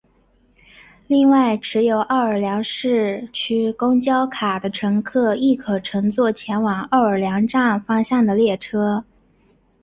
另外持有奥尔良市区公交卡的乘客亦可乘坐前往奥尔良站方向的列车。